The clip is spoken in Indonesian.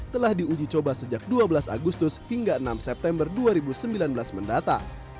telah diuji coba sejak dua belas agustus hingga enam september dua ribu sembilan belas mendata